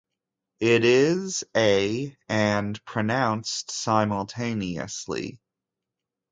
It is a and pronounced simultaneously.